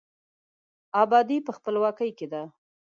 د آبادي په، خپلواکۍ کې ده.